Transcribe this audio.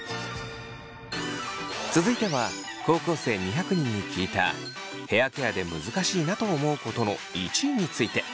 続いては高校生２００人に聞いたヘアケアで難しいなと思うことの１位について。